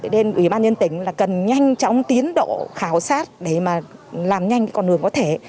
đến ưu ba nhân tỉnh là cần nhanh chóng tiến độ khảo sát để mà làm nhanh con đường có thể